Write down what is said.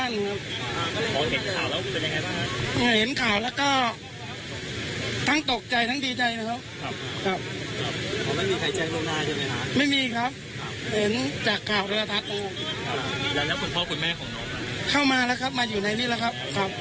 แล้วที่แจ้งว่าน้องเป็นอย่างไรบ้างครับ